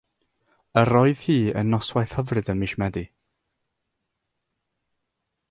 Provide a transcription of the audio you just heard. Yr oedd hi yn noswaith hyfryd ym mis Medi.